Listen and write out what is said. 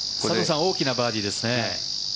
大きなバーディーですね。